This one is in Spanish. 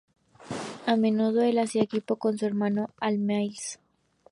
A menudo el hacía equipo con su hermano Al Mills.